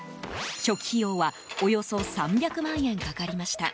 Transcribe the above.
初期費用はおよそ３００万円かかりました。